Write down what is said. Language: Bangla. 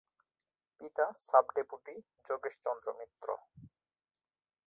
পিতা সাব-ডেপুটি যোগেশচন্দ্র মিত্র।